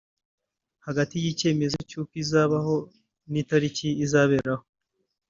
Hagati y’icyemezo cy’uko izabaho n’itariki izaberaho